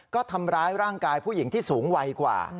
ก็ทำร้ายร่างกายผู้หญิงที่สูงวัยกว่า